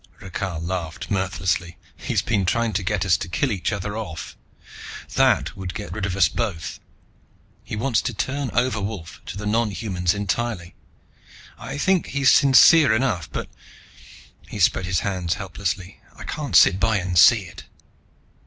Rakhal laughed mirthlessly. "He's been trying to get us to kill each other off. That would get rid of us both. He wants to turn over Wolf to the nonhumans entirely, I think he's sincere enough, but" he spread his hands helplessly "I can't sit by and see it."